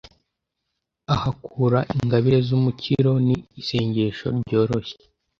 ahakura ingabire z’umukiro ni isengesho ryoroshye